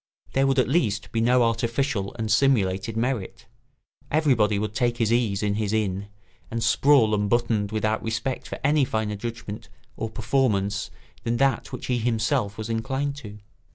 There would at least be no artificial and simulated merit; everybody would take his ease in his inn and sprawl unbuttoned without respect for any finer judgment or performance than that which he himself was inclined to.